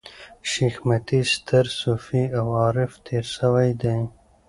شېخ متي ستر صوفي او عارف تېر سوی دﺉ.